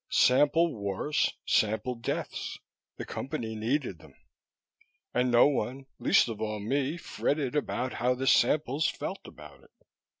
Sample wars, sample deaths the Company needed them. And no one, least of all me, fretted about how the samples felt about it.